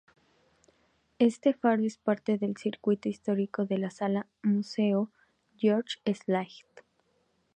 Este faro es parte del circuito histórico de la Sala Museo George Slight.